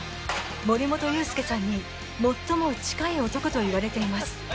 森本裕介さんに最も近い男といわれています